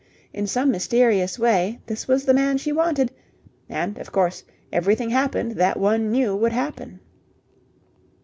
In some mysterious way this was the man she wanted, and, of course, everything happened that one knew would happen.